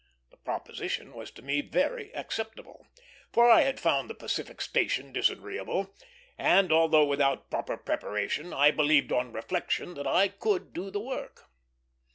The proposition was to me very acceptable; for I had found the Pacific station disagreeable, and, although without proper preparation, I believed on reflection that I could do the work.